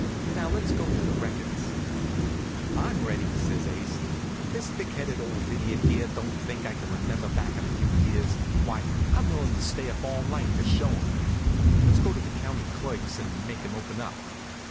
Now let's go to the records." "I'm ready," says Ase. "If this thick headed old idiot here don't think I can remember back a few years, why, I'm willing to stay up all night to show him. Let's go to the County Clerk's and make him open up."